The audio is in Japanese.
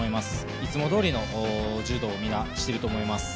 いつもどおりの柔道をみんな、していると思います。